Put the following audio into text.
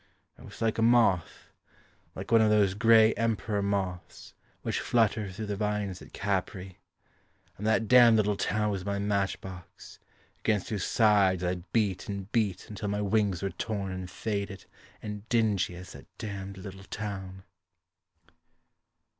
I was like a moth Like one of those grey Emperor moths Which flutter through the vines at Capri. And that damned little town was my match box, Against whose sides I beat and beat Until my wings were torn and faded, and dingy As that damned little town.